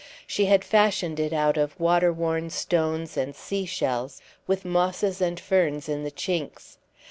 She had fashioned it out of water worn stones and sea shells, with mosses and ferns in the chinks.